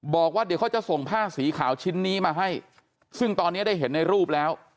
บอกว่าเดี๋ยวเขาจะส่งผ้าสีขาวชิ้นนี้มาให้ซึ่งตอนนี้ได้เห็นในรูปแล้ว